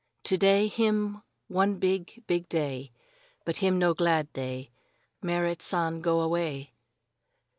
To day him one big, big day, but him no glad day. Merrit San go away."